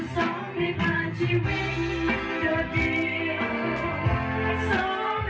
จะลืมกันเดินไปใจ